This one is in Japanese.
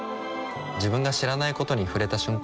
自分が知らないことに触れた瞬間